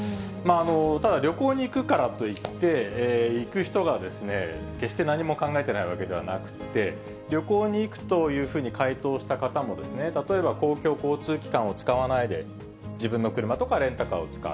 ただ、旅行に行くからといって、行く人が決して何も考えていないわけではなくて、旅行に行くというふうに回答した方も、例えば、公共交通機関を使わないで、自分の車とか、レンタカーを使う。